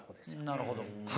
なるほど。